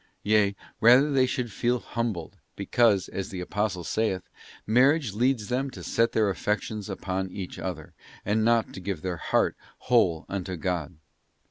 Yea, rather they should feel humbled, because, as the Apostle saith, marriage leads them to set their affections upon each other, and not to give their heart whole unto God.